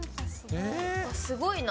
すごいな。